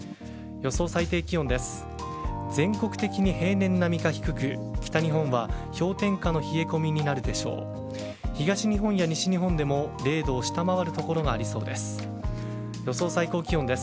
予想最低気温です。